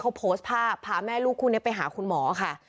เขาโพสต์ภาพพาแม่ลูกคู่นี้ไปหาคุณหมอค่ะ